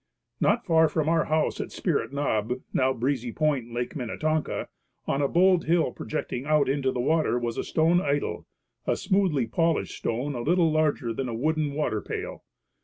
Not far from our house at Spirit Knob, now Breezy Point, Lake Minnetonka, on a bold hill projecting out into the water was a stone idol, a smoothly polished stone a little larger than a wooden water pail.